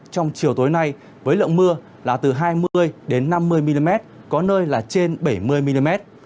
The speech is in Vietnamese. trong chiều tối nay với lượng mưa là từ hai mươi năm mươi mm có nơi là trên bảy mươi mm